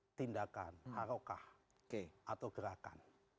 dari tindakan harokah atau gerakan